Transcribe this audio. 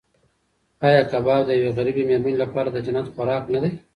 ایا کباب د یوې غریبې مېرمنې لپاره د جنت خوراک نه دی؟